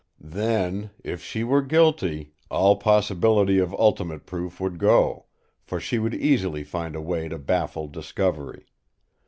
Then, if she were guilty, all possibility of ultimate proof would go; for she would easily find a way to baffle discovery.